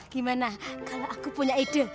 gimana kalau aku punya ide